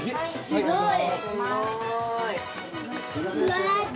すごい。